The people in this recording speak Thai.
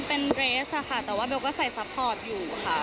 เป็นเรสค่ะแต่ว่าเบลก็ใส่ซัพพอร์ตอยู่ค่ะ